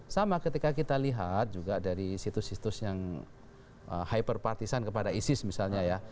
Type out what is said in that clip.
sama ketika kita lihat juga dari situs situs yang hyper partisan kepada isis misalnya ya